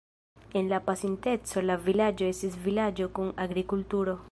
En la pasinteco la vilaĝo estis vilaĝo kun agrikulturo.